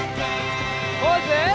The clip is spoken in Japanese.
ポーズ！